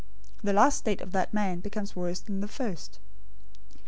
The last state of that man becomes worse than the first.